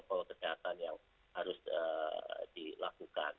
serta untuk kesehatan yang harus dilakukan